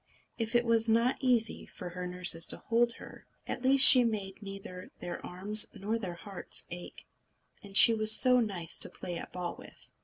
If it was not easy for her nurses to hold her, at least she made neither their arms nor their hearts ache. And she was so nice to play at ball with!